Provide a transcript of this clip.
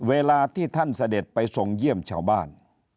เวลาที่ท่านเสด็จไปทรงเยี่ยมชาวบ้าน